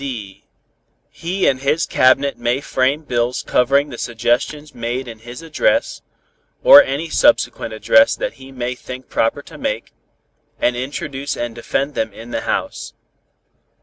(d) He and his Cabinet may frame bills covering the suggestions made in his address, or any subsequent address that he may think proper to make, and introduce and defend them in the House.